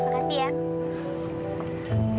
terima kasih ya